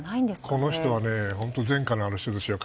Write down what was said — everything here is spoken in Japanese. この人は本当に前科のある人ですよ。